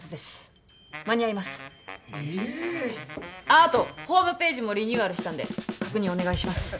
あっ後ホームページもリニューアルしたんで確認お願いします。